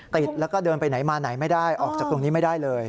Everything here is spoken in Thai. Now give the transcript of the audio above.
ติดแล้วก็เดินไปไหนมาไหนไม่ได้ออกจากตรงนี้ไม่ได้เลย